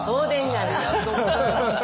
ありがとうございます。